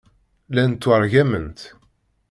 Llant ttwargament.